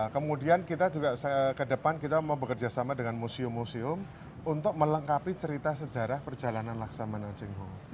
kemudian kita juga kedepan kita mau bekerja sama dengan museum museum untuk melengkapi cerita sejarah perjalanan laksaman anjing ho